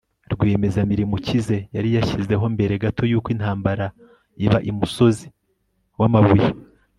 rwiyemezamirimo ukize yari yashyizeho mbere gato yuko intambara iba umusozi wamabuye